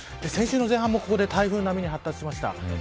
先週の前半もここで台風並みに発達しました。